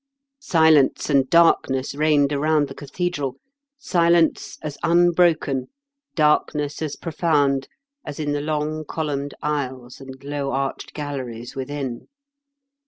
SHence and darkness reigned around the cathedral, silence as unbroken, darkness as profound, as in the long columned aisles and low arched galleries within.